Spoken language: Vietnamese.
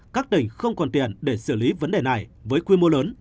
các tỉnh không còn tiền để xử lý vấn đề này